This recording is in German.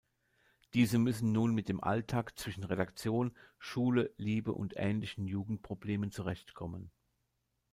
Diese müssen nun mit dem Alltag zwischen Redaktion, Schule, Liebe und ähnlichen Jugend-Problemen zurechtkommen.